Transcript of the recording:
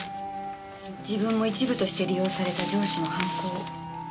自分も一部として利用された上司の犯行を。